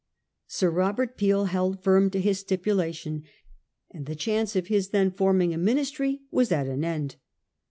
Sir Robert Peel held firm to his stipulation ; and the chance of his then forming a Ministry was at an end.